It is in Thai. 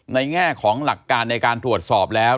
แง่ของหลักการในการตรวจสอบแล้ว